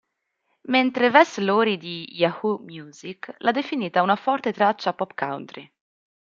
Mentre Wes Laurie di Yahoo Music l'ha definita una forte traccia pop country.